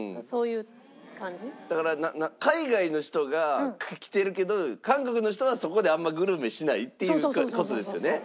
だから海外の人が来てるけど韓国の人はそこであんまりグルメしないっていう事ですよね。